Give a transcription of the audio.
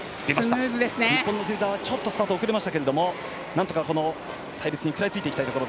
日本の芹澤はちょっとスタートが遅れましたけどもなんとか、隊列に食らいついていきたいところ。